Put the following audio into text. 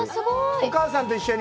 お母さんと一緒に。